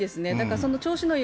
その調子のいい